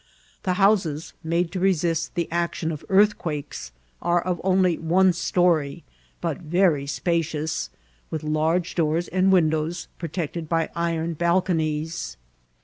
The houses, made to resist the action of earthquakes, are of only one story, but very spaciooS) with large doors and windows, protected by iron bal* ccHiies.